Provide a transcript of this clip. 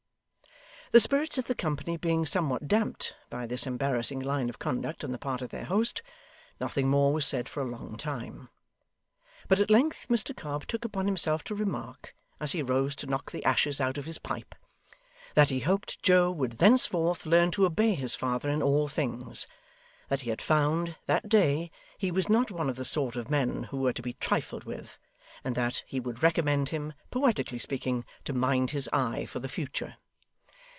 The spirits of the company being somewhat damped by this embarrassing line of conduct on the part of their host, nothing more was said for a long time; but at length Mr Cobb took upon himself to remark, as he rose to knock the ashes out of his pipe, that he hoped Joe would thenceforth learn to obey his father in all things; that he had found, that day, he was not one of the sort of men who were to be trifled with; and that he would recommend him, poetically speaking, to mind his eye for the future.